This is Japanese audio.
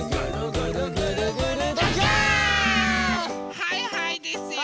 はいはいですよ。